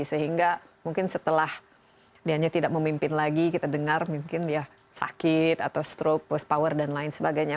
sehingga mungkin setelah dia tidak memimpin lagi kita dengar mungkin dia sakit atau stroke post power dan lain sebagainya